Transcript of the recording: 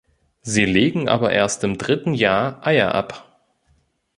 Sie legen aber erst im dritten Jahr Eier ab.